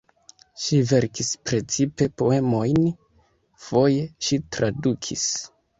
Ŝi verkis precipe poemojn, foje ŝi tradukis.